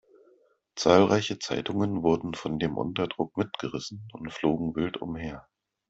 Zahlreiche Zeitungen wurden von dem Unterdruck mitgerissen und flogen wild umher.